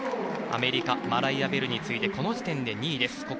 アメリカのマライア・ベルに次いでこの時点で２位です。